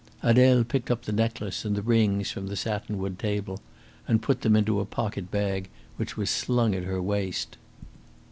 Adele picked up the necklace and the rings from the satin wood table and put them into a pocket bag which was slung at her waist.